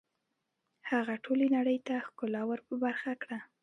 هغه ټولې نړۍ ته ښکلا ور په برخه کړه